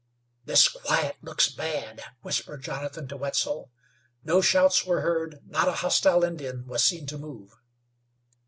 "This quiet looks bad," whispered Jonathan to Wetzel. No shouts were heard; not a hostile Indian was seen to move.